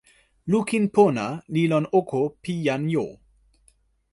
lukin pona li lon oko pi jan jo.